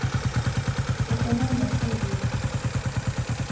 Koko na miaka ilinga?.